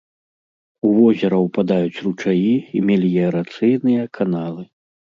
У возера ўпадаюць ручаі і меліярацыйныя каналы.